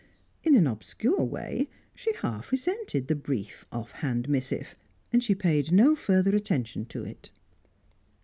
In an obscure way she half resented the brief, off hand missive. And she paid no further attention to it.